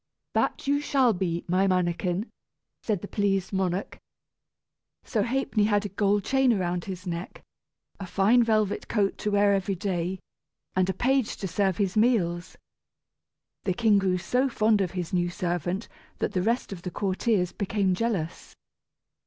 "That shall you be, my mannikin!" said the pleased monarch. So Ha'penny had a gold chain round his neck, a fine velvet coat to wear every day, and a page to serve his meals. The king grew so fond of his new servant that the rest of the courtiers became jealous.